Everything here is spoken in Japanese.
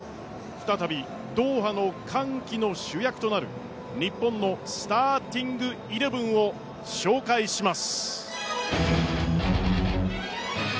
では、あらためて再びドーハの歓喜の主役となる日本のスターティングイレブンを紹介します。